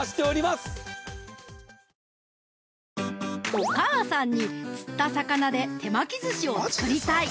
お母さんに、釣った魚で手巻きずしを作りたい！